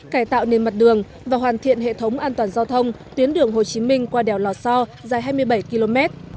cải tạo nền mặt đường và hoàn thiện hệ thống an toàn giao thông tuyến đường hồ chí minh qua đèo lò so dài hai mươi bảy km